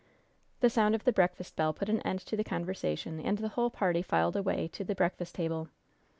The sound of the breakfast bell put an end to the conversation, and the whole party filed away to the breakfast table.